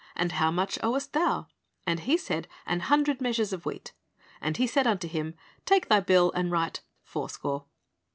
And how much owest thou? And he said, An hundred measures of wheat. And he said unto him, Take thy bill, and write fourscore."